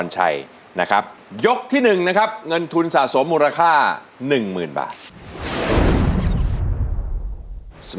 ใจหมดกาย